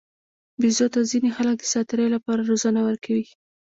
بیزو ته ځینې خلک د ساتیرۍ لپاره روزنه ورکوي.